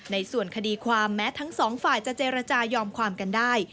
ในส่วนคดีความแม้ทั้งสองฝ่ายจะเจรจายอมความกันได้